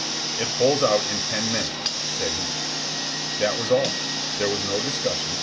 "It pulls out in ten minutes," said he. That was all. There was no discussion.